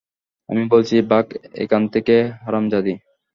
আমি বলছি ভাগ এখান থেকে, হারামজাদি!